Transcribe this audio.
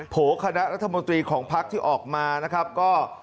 โคณะรัฐมนตรีของพักที่ออกมานะครับก็